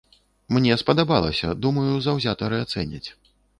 Мне спадабалася, думаю, заўзятары ацэняць.